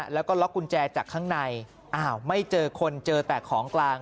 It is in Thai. แล้วก็ล็อกกุญแจจากข้างในอ้าวไม่เจอคนเจอแต่ของกลาง